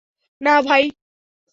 না, ভাই।